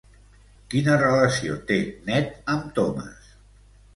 Quina relació té Ned amb Thomas?